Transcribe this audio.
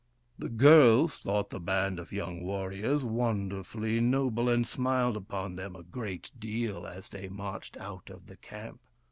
The girls thought the band of young warriors wonderfully noble, and smiled upon them a great deal as they marched out of the camp.